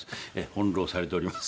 翻弄されております。